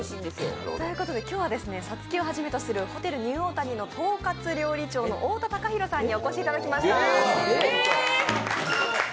今日はＳＡＴＳＵＫＩをはじめとするホテルニューオータニの統括料理長の太田高広さんにお越しいただきました。